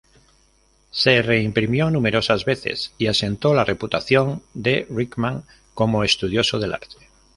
Se reimprimió numerosas veces, y asentó la reputación de Rickman como estudioso del arte.